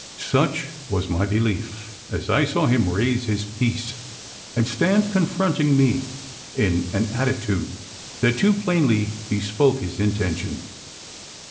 Such was my belief, as I saw him raise his piece, and stand confronting me in an attitude that too plainly bespoke his intention.